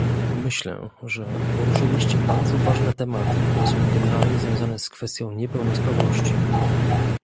Myślę, że poruszyliście bardzo ważne tematy, które są generalnie związane z kwestią niepełnosprawności